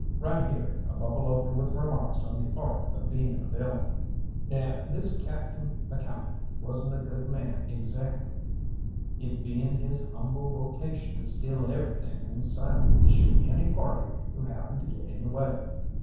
Right here I bubble over with remarks on the art of being a villain. Now this Captain McCalmont wasn't a good man exactly, it being his humble vocation to steal everything in sight, and shoot any party who happened to get in the way.